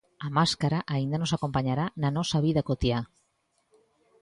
A máscara aínda nos acompañará na nosa vida cotiá.